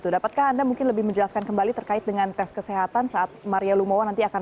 dapatkah anda mungkin lebih menjelaskan kembali terkait dengan tes kesehatan saat maria lumowa nanti akan